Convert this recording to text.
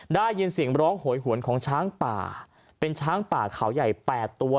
ได้ยินเสียงร้องโหยหวนของช้างป่าเป็นช้างป่าเขาใหญ่แปดตัว